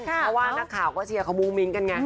เพราะว่านักข่าวก็เชียร์เขาบูมิ้งกันไง